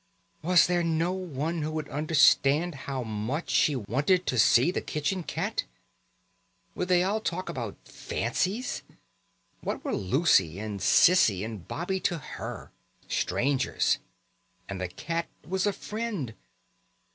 Was there no one who would understand how much she wanted to see the kitchen cat? Would they all talk about fancies? What were Lucy and Cissie and Bobbie to her? strangers, and the cat was a friend.